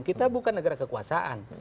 kita bukan negara kekuasaan